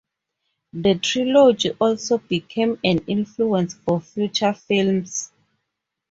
The trilogy also became an influence for future films.